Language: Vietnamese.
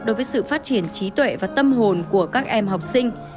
đối với sự phát triển trí tuệ và tâm hồn của các em học sinh